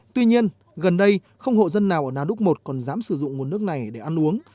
tuy nhiên gần đây không hộ dân nào ở nà đúc một còn dám sử dụng nguồn nước này để ăn uống